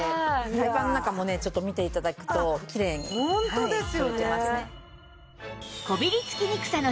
フライパンの中もねちょっと見て頂くときれいに取れてますね。